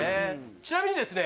ちなみにですね